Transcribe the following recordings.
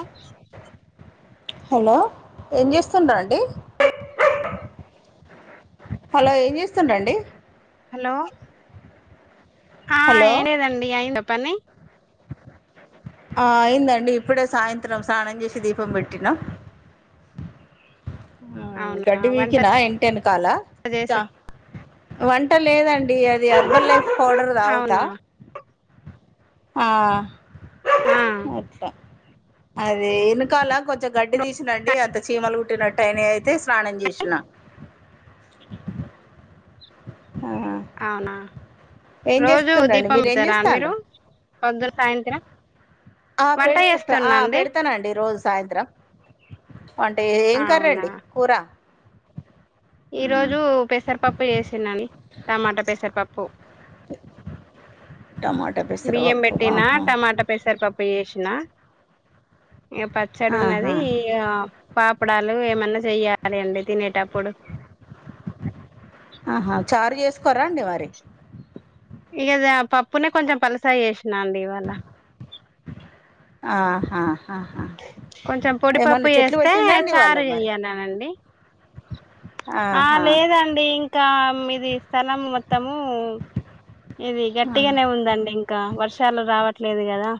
ఆహ్. హలో ఏం చేస్తుంరండి. హలో ఏం చేస్తుంరండి. హలో ఆహ్ హలో ఏం లేదండి అయిందా పని. ఆహ్ అయిందండి ఇప్పుడే సాయంత్రం స్నానం చేసి దీపం పెట్టినా. ఉమ్ అవునా గడ్డి వంట వీకినా ఇంటి వెనకాల చేసాడు వంట లేదండి. అది అది అర్బల్ లైఫ్ పౌడర్ తాగుతా అవునా ఆహ్. ఆ అట్లా. అదే వెనకాల కొంచెం గడ్డి తీస్నాండి అంత చీమలు కుట్టినట్టు అయినాయి అయితే స్నానం చేసిన. ఆహ్. అవునా. రోజు చేస్తుండ్రండి దీపం మీరు ఏం పెడతారా చేస్తాండ్రు మీరు పొద్దునా సాయంత్రం. ఆహ్ వంట పెడు చేస్తున్నా ఆహ్ అండి పెడతానండి రోజు సాయంత్రం. వంట ఏం కర్రీ అవునా అండి కూర. ఈ రోజు పెసరపప్పు చేసినండి టమాటా పెసరపప్పు. ఆహ్. బియ్యం పెట్టినా టమాటా పెసరపప్పు. పప్పు చేసిన ఇక పచ్చడి ఆహా ఉన్నది. పాపడాలు ఏమన్నా చెయ్యాలి అండి తినేటప్పుడు. ఆహా చారు చేసుకోరాండి మరి ఇకద పప్పునే కొంచెం పలసాగా చేసినా అండి ఇవాళ ఆహా ఆహా కొంచెం పొడిపప్పు ఏమన్నా చెట్లు చేస్తే పెట్టినండి వాళ్ళ చారు మరి చెయ్యన్నానండి ఆ ఆహా లేదండి ఇంకా మీది స్థలం మొత్తము ఇది ఆ. గట్టిగానే ఉందండి ఇంకా వర్షాలు రావట్లేదు కదా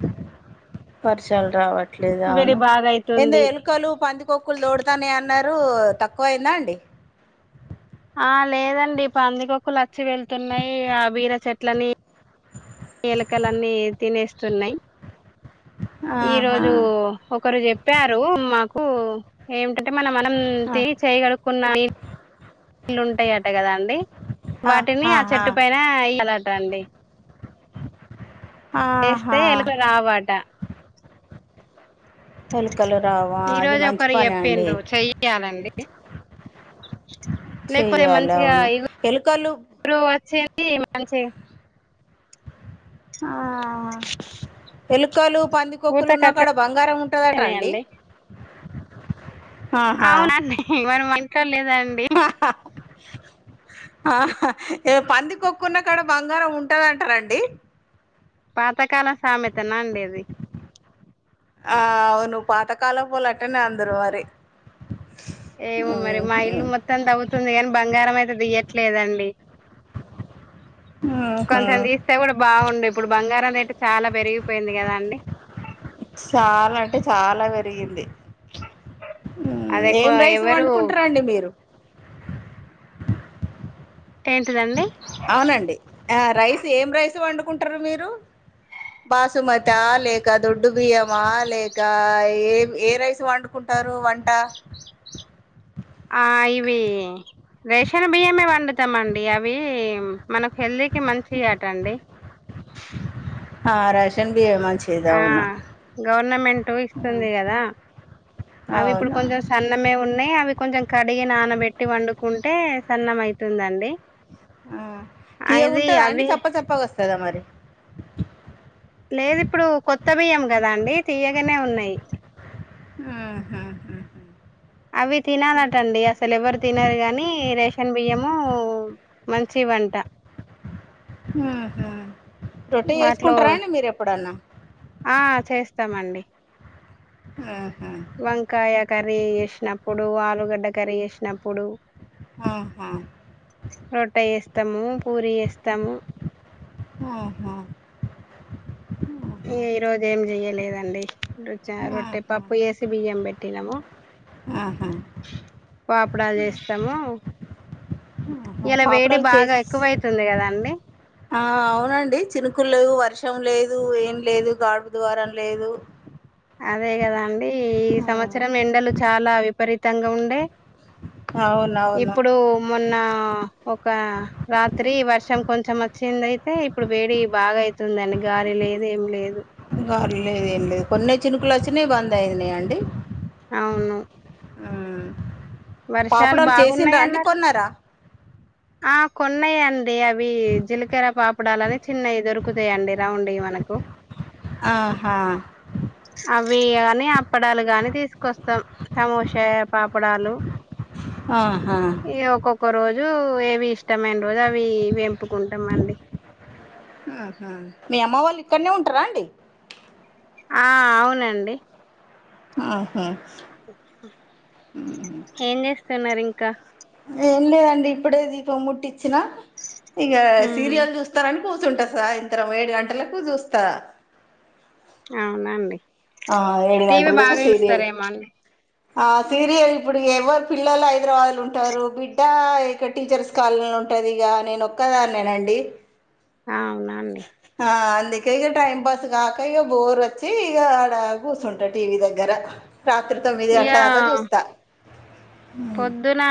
వర్షాలు రావట్లేదు వేడి అవును బాగా ఏందో అయితుంది ఎలుకలు పందికొకులు దోడుతానై అన్నారు తక్కువయిందా అండి ఆ లేదండి పందికొక్కులు ఆచ్చి వెళ్తున్నాయ్ ఆ బీర చేట్లని ఎలకలన్నీ తినేస్తున్నాయి ఆహా ఈరోజు ఒకరు చెప్పారు మాకు ఏం అంటే మనం మనం ఆ, తిని చేయికడుకున్న ఇల్లుుంటాయట కదా అండి వాటిని ఆ ఆహాహా. చెట్టు పైన ఏయాలట అండి ఎస్తే ఆహా ఎలుక రావాట ఎలుకలు రావా ఈ అది రోజు మంచి ఒకరు పని అండి చెప్పిండ్ర చెయ్యాలండి లేకపోతే చెయ్యాలి మంచిగా అవును ఎలుకలు ఇగురు వచ్చి చి మంచీగా ఆ ఎలుకలు పందికొక్కలు పూతకు ఉన్నా కాడ బంగారం ఉంటందట అండి వచ్చేసినాయండి అవునండి మరి మన ఇంట్లో లేదండి హ హ ఆ ఇగ పందికొక్కున్నా కూడా బంగారం ఉంటందంటారండి పాతకాల సామెతనా అండిది ఆ అవును పాత కలపోలు ఆటనేఅందరు మరి ఏమో మరి మా ఉహు ఇల్లు మొత్తం తవ్వుతుంది కాని బంగారం అయితే దియట్లేదండి ఉహు కొంచెం తీస్తే కూడా బాగుండు ఇప్పుడు బంగారం రేటు చాలా పెరిగిపోయింది కదా అండి చాలా అంటే చాలా పెరిగింది అది ఎక్కువ ఏం రైస్ ఎవరు వండుకుంటారండి మీరు ఏంటిదండి అవునండి రైస్ ఏం రైస్ వండుకుంటారు మీరు బాసుమతా లేక దొడ్డు బియ్యమా లేక ఏ ఏ రైస్ వండుకుంటు టరు వంట ఆ ఇవి రేషన్ బియ్యమే వండుతామండి అవి మన హెల్తీకి మంచి ఆటఅండి ఆ రేషన్ బియ్యం మంచిది ఆ అవును గవర్నమెంట్ ఇస్తుంది కదా అవి ఇప్పుడు అవును కొంచెం సన్నమే ఉన్నాయి అవి కొంచెం కడిగి నానబెట్టి వండుకుంటే సన్నం అయితుందండి హ్మ్ అది తీయగాంటుందా అండి అవి చెప్ప చప్పగా వస్తదా మరి లేదు ఇప్పుడు కొత్త బియ్యం కదా అండి తీయగానే ఉన్నాయి ఉహుహ్మ్మ్ అవి తినాలటండి అసాల్ ఎవరు తినరు గాని రే షన్ బియ్యము మంచివాంటా ఊహ్మ్ రొట్టె వాటిలో చేస్కుంటారా అండి మీరు ఎప్పుడన్నా ఆ చేస్తామండి హ్మ్ వంకాయ కర్రీ వేసినప్పుడు ఆలుగడ్డ కర్రీ వేసినప్పుడు ఆహా వస్తాము పూరి చేస్తాము ఆహా ఈరోజ ఏం చెయ్యలేదండి చ్చ రొట్టె పప్పు వేసి బియ్యం పెట్టినాము పాపుడా చేస్తాము ఇలా వేడి పాపడాలు బాగా ఎక్కువైతుంది కదా అండి ఆ అవునండి చినుకులు లేవు వర్షం లేదు దు ఏం లేదు గాడుపు ద్వారాం లేదు అదే కదా అండి ఈ సంవత్సరం ఎండలు చాలా విపరీతంగా ఉండే అవునవును ఇప్పుడు మొన్న ఒక రాత్రి వర్ష కొషం కొంచెం వచ్చిందయితే ఇప్పుడు వేడి బాగా అయితుందిండి గాలి లేద ఏం లేదు గ లేదు ఏం లేదు కొన్ని చినుకులు వచ్చినయి బంద్ అయినాయి అండి అవును వర్షాలు పాపుడోలు బాగున్నాయి చేసండ్రా అండి అన్నారు కొన్నారా ఆ కొన్నాయంండి అవి జీలకర పాపడాలని చిన్నవి దొరుకుతాయంండి రౌండ్ ఇమన నాకు ఆహా అవి కాని అప్పడాలు గాని తీసుకొస్తాం సమోసా పాపడాలు ఆహా ఒక రోజు ఏవి ఇష్టమేం రోజు అవి వంపుకుంటాం అండి ఇక్కనే ఉంటార అండి ఆ అవునండి ఆహా ఏం చేస్తున్నారు ఇంకా ఏం లేదండి ఇప్పుడే దీపం ముట్టి ఇచ్చినా ఇంక ఉమ్ సీరియల్ చూస్తారని కూర్చుంటాసా ఇంతరం ఏడు గంటలకు చూస్తా అవునండి ఆ టీవీ ఏడునాటలోలకు బాగా సీరియల్ చూస్తారేమో అండి ఆ సీరియల్ ఇప్పుడు ఎవరు పిల్లలు హైదరాబాద్లు ఉంటారు బిడ్డ ఇక టీచర్స్ కాల ఉంటంది నేను ఒక్కదా నేనండి అవునాండి ఆ అందుకే ఇక టైం పాస్ కాక ఇక బోర్ వచ్చి ఇగ అడ కూర్చుంటా టీవీ దగ్గర రాత్రి తొమ్మిది ఇగ గంటల దాకా చూస్తా పొద్దున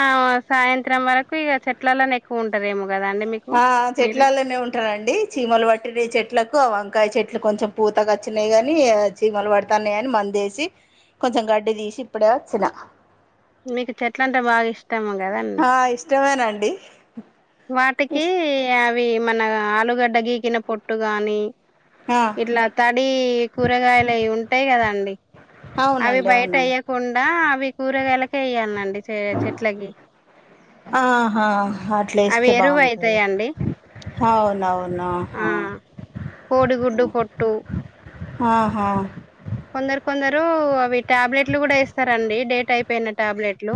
సాయంత్రం వరకు ఇక చెట్లలోనే ఎక్కువ ఉంటారేమో కదా అండి మీకు ఆ మీరు చెట్లలోనే ఉంటనండి చీమలు పట్టి చెట్ చెట్లకు వంకాయ చెట్లు కొంచెం పూతగా వచ్చినయి కాని చీమలు పడతాన్నాయి అని మందేసి కొంచెం గడ్డి తీసి ఇప్పుడే వచ్చిన మీకు చెట్ల అంటే బాగా ఇష్టాము కద అంీ ఇష్టమేనా అండి వాటికి అవి మన ఆలుగడ్డ గీకిిన పొట్టు గాని ఆ ఇట్లా తడి కూరగాయలువి ఉంటాయి కదా అండి అవి అవునండి బయట అవునండి అయ్యకుండా అవి కూరగాయలకే వయ్యాలి అండి చె చెట్లకి ఆహా అట్లా అవి వేస్తే ఎరువు బాగుంటుంది అయితాయండి అవునవునాహ ఆ కోడిగుడ్డు పొట్టు ఆహా కొందరు కొందరు అవి టాబ్లెట్లు కూడా ఇస్తారంండి డేట్ అయిపోయినట్టు టాబ్లెట్లు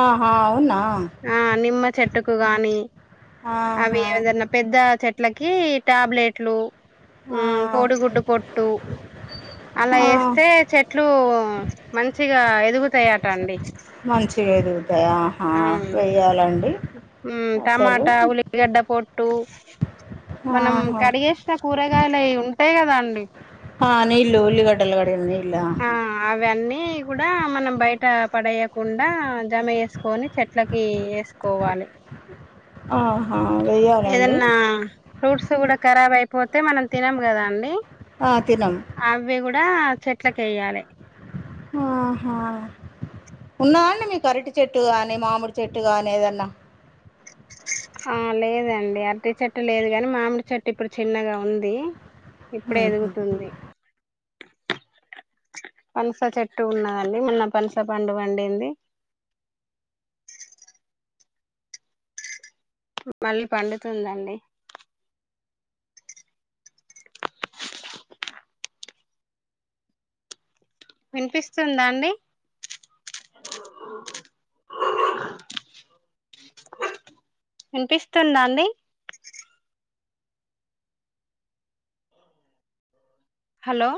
ఆహా అవునా ఆ నిమ్మ చెట్టుకు గాని అవి ఆహా ఏదన్నా పెద్ద చెట్టు ఇట్లకి టాబ్లెట్లు ఆ కోడిగుడ్డు పొట్టు అలా ఆ వేస్తే చెట్లు మంచిగా ఎదుగుతాయట అండి మంచివి ఎదుగుతాయి ఆహా అవును వెయ్యాలండి టమాటా ఉల్లిగడ్డ పొట్టు మనం ఆహా కడిగేసిన కూరగాయలువి ఉంటాయి కదా అండి ఆ నీ ఇల్లు ఉల్లిగడ్డల కడ నల్లు ఆ అవన్నీ కూడా మనం బయట బట్ట పడేయకుండా జమ వేసుకొని చెట్లకి వేసుకోవాలి ఆ ఏదన్నా ఫ్రూట్స్ కూడా రాబ్ అయిపోతే మనం తినం కదా అండి ఆ తినం అవి కూడా చెట్లక వెయాలి ఆహా ఉన్నాండి మీ కరటి చెట్టు ని మామిడి చెట్టు గాని ఏదన్నా ఆ లేదండి అరటి చెట్టు లేదు కాని మామిడి చెట్టు ఇప్పుడు చిన్నగా ఉంది ఇప్పుడ ఏదన్నా ఎదుగుతుంది పనస చెట్టు ఉన్నదండి మొన్న పనస పండుగ వండింది [inaudible] మళ్ళీ పండుతుందండి వినిపిస్తుందా అండి [inaudible] వినిపిస్తుందా అండి హలో